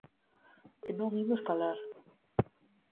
Que non imos calar.